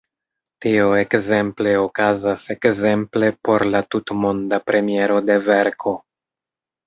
Tio ekzemple okazas ekzemple por la tutmonda premiero de verko.